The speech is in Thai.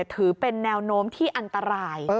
ถือเป็นแนวโน้มที่อันตราย